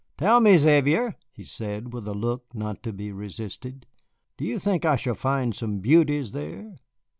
"Tell me, Xavier," he said, with a look not to be resisted, "do you think I shall find some beauties there?"